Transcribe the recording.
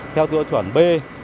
theo tiêu chuẩn b